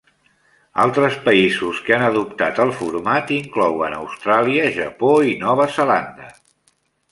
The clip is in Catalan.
Altres països que han adoptat el format inclouen Austràlia, Japó i Nova Zelanda.